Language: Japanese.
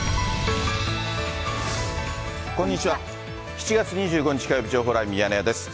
７月２５日火曜日、情報ライブミヤネ屋です。